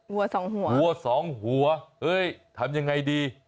วัวสองหัววัวสองหัวเฮ้ยทำยังไงดี